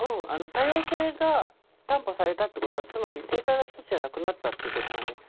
多様性が担保されたってことはつまり正解が一つじゃなくなったっていうことなんで。